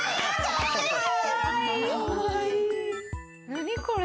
何これ？